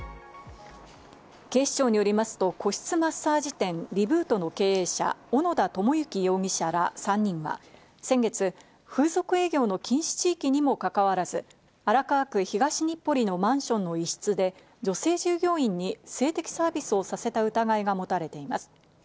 警視庁によりますと、個室マッサージ店Ｒｅｂｏｏｔの経営者・小野田知之容疑者ら３人は、先月、風俗営業の禁止地域にもかかわらず荒川区東日暮里のマンションの一室で、女性従業員に性的サービスをさせた疑いが持たれています。